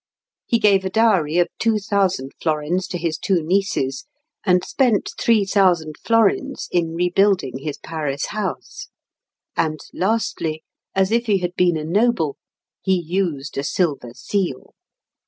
He gave a dowry of 2,000 florins to his two nieces, and spent 3,000 florins in rebuilding his Paris house; and lastly, as if he had been a noble, he used a silver seal."